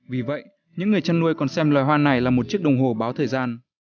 vì vậy những người chăn nuôi còn xem loài hoa này là một chiếc đồng hồ báo thời gian